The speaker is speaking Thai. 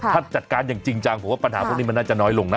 ถ้าจัดการอย่างจริงจังผมว่าปัญหาพวกนี้มันน่าจะน้อยลงนะ